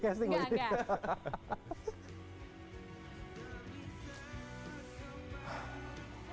siap siap dulu harus bagus